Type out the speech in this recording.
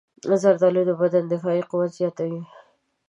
زردالو د بدن دفاعي قوت زیاتوي.